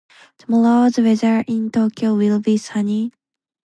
Tomorrow's weather in Tokyo will be sunny.